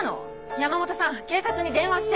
山本さん警察に電話して。